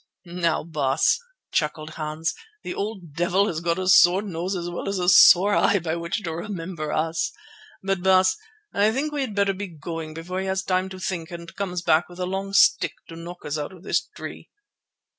"Now, Baas," chuckled Hans, "the old devil has got a sore nose as well as a sore eye by which to remember us. And, Baas, I think we had better be going before he has time to think and comes back with a long stick to knock us out of this tree."